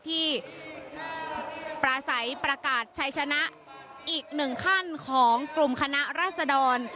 ค่ะที่ประสัยประกาศใช้ชนะอีกหนึ่งขั้นของกลุ่มคณะรัฐสดอล